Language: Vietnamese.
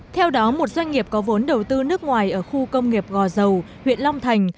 theo đó một doanh nghiệp có vốn đầu tư nước ngoài ở khu công nghiệp gò dầu huyện long thành